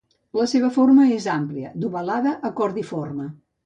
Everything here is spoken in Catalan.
La seva forma és àmplia, d'ovalada a cordiforme.